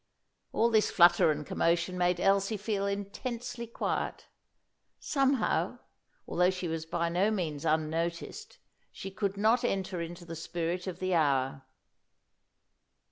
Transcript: All this flutter and commotion made Elsie feel intensely quiet. Somehow, although she was by no means unnoticed, she could not enter into the spirit of the hour.